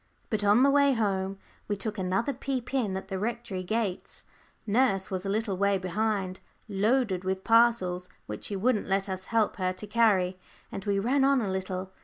But on the way home we took another peep in at the Rectory gates. Nurse was a little way behind, loaded with parcels which she wouldn't let us help her to carry; and we ran on a little.